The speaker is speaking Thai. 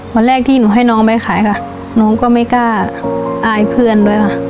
วันแรกที่หนูให้น้องไปขายค่ะน้องก็ไม่กล้าอายเพื่อนด้วยค่ะ